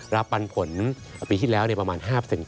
รับปันผลปีอีกแล้วในประมาณ๕๕